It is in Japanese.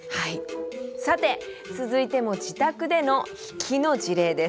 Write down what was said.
さて続いても自宅での引きの事例です。